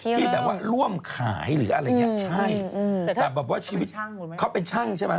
ที่แบบว่าร่วมขายหรืออะไรอย่างนี้ใช่แต่แบบว่าชีวิตเขาเป็นช่างใช่ไหม